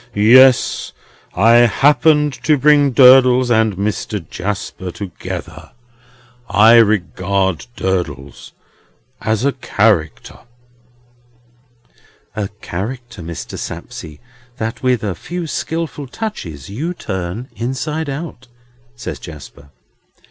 Yes. I happened to bring Durdles and Mr. Jasper together. I regard Durdles as a Character." "A character, Mr. Sapsea, that with a few skilful touches you turn inside out," says Jasper.